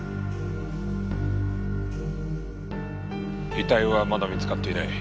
遺体はまだ見つかっていない。